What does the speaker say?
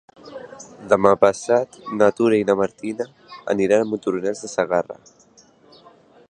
Demà passat na Tura i na Martina aniran a Montornès de Segarra.